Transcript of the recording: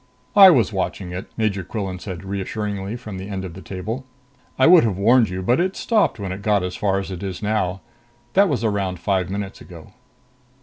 "I was watching it," Major Quillan said reassuringly from the end of the table. "I would have warned you, but it stopped when it got as far as it is now. That was around five minutes ago."